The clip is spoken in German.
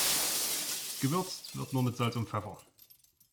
Gewürzt wird nur mit Salz und Pfeffer.